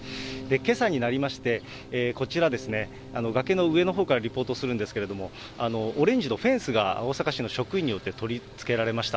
けさになりまして、こちらですね、崖の上のほうからリポートするんですけれども、オレンジのフェンスが大阪市の職員によって取り付けられました。